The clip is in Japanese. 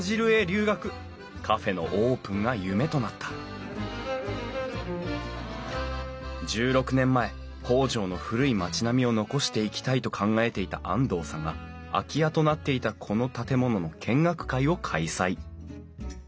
カフェのオープンが夢となった１６年前北条の古い町並みを残していきたいと考えていた安藤さんが空き家となっていたこの建物の見学会を開催。